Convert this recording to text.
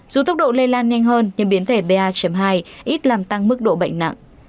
dù tốc độ lây lan nhanh hơn nhưng biến thể ba hai ít làm tăng mức độ bệnh nặng